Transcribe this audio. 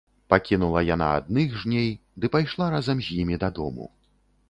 Пакінула яна адных жней ды пайшла разам з імі дадому.